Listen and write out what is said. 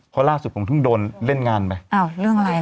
เพราะล่างที่ผมจึงโดนเล่นงานไป